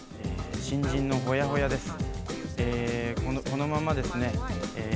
新人のほやほやです。